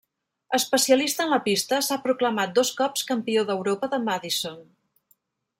Especialista en la pista, s'ha proclamat dos cops Campió d'Europa de Madison.